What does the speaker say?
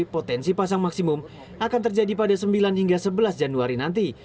potensi pasang maksimum akan terjadi pada sembilan hingga sebelas januari nanti